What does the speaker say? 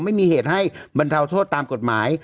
ไม่มีเหตุให้บรรเทาโทษตามกฎหมาย